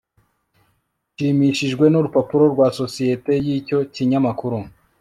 nshimishijwe nurupapuro rwa societe yicyo kinyamakuru